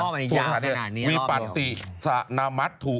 วิปัสสิสะนามัสถุ